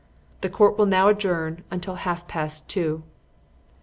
The Court will now adjourn until half past two."